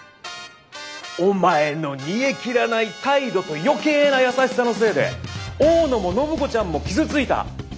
お前の煮えきらない態度と余計な優しさのせいで大野も暢子ちゃんも傷ついた。